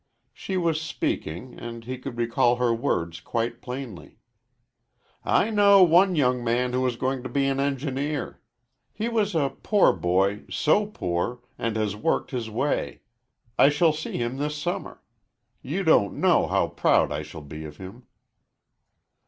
She was speaking, and he could recall her words quite plainly: "I know one young man who is going to be an engineer. He was a poor boy so poor and has worked his way. I shall see him this summer. You don't know how proud I shall be of him."